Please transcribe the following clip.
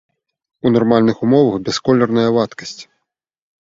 У нармальных умовах бясколерная вадкасць.